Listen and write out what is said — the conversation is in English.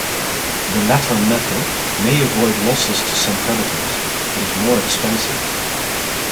The latter method may avoid losses to some predators, but is more expensive.